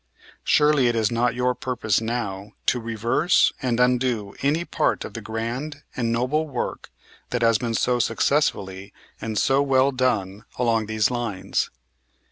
Surely it is not your purpose now to reverse and undo any part of the grand and noble work that has been so successfully and so well done along these lines.